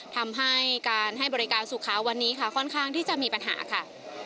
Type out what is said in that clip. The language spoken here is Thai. ทำให้การให้บริการสุขาวันนี้ค่ะค่อนข้างที่จะมีปัญหาค่ะ